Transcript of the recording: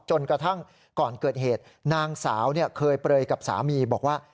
จนกระทั่งก่อนเกิดเหตุนางสาวเคยเปลยกับสามีบอกว่า